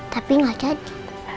tapi gak jadi